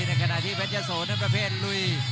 ในขณะที่เพชรยะโสนั้นประเภทลุย